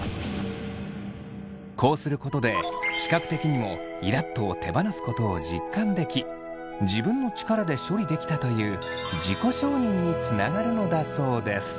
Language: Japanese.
こうすることで視覚的にも「イラっと」を手放すことを実感でき自分の力で処理できたという自己承認につながるのだそうです。